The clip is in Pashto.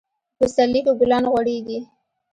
په پسرلي کي ګلان غوړيږي.